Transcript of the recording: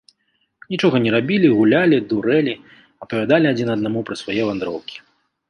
Нічога не рабілі, гулялі, дурэлі, апавядалі адзін аднаму пра свае вандроўкі.